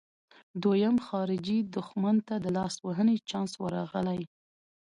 دویم خارجي دښمن ته د لاسوهنې چانس ورغلی.